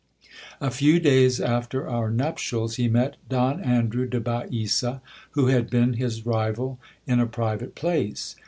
A few days after our nuptials, he met Don Andrew de Baesa, who had been his rival, in a private place.